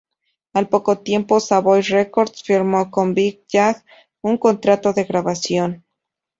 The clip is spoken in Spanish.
Al poco tiempo, Savoy Records firmó con Big Jay un contrato de grabación.